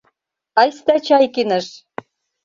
— Айста Чайкиныш!..